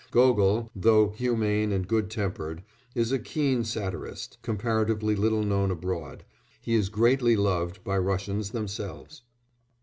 Gogol, though humane and good tempered, is a keen satirist; comparatively little known abroad, he is greatly loved by Russians themselves.